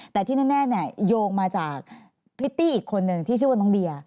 แต่ที่แน่โยงมาจากพริตตี้อีกคนนึงที่ชื่อว่าน้องเดีย